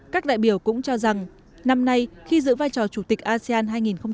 các đại biểu cũng cho rằng năm nay khi giữ vai trò chủ tịch asean hai nghìn hai mươi